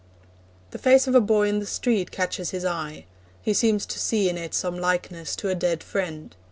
The face of a boy in the street catches his eye. He seems to see in it some likeness to a dead friend.